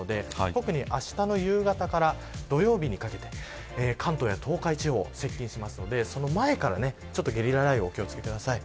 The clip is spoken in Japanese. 特に、あしたの夕方から土曜日にかけて関東や東海地方に接近しますのでその前からゲリラ雷雨にお気を付けください。